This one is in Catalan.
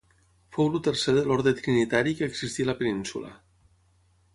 Fou el tercer de l'orde trinitari que existí a la península.